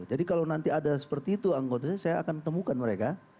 jadi kalau nanti ada seperti itu anggotanya saya akan temukan mereka